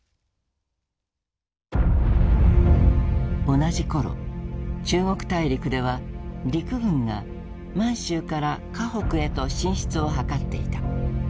同じ頃中国大陸では陸軍が満州から華北へと進出を図っていた。